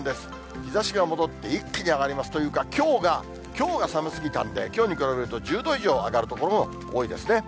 日ざしが戻って、一気に上がりますというか、きょうが、きょうが寒すぎたんで、きょうに比べると１０度以上上がる所も多いですね。